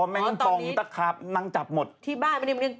ไม่งั้นผ่องจะพราบนางจับหมดอ๋อตอนนี้ที่บ้านมันยัง